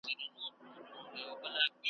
شپه تر سهاره پر لمبو ګرځې ,